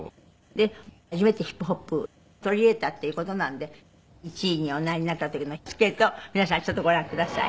で初めてヒップホップ取り入れたっていう事なんで１位におなりになった時のスケートを皆さんちょっとご覧ください。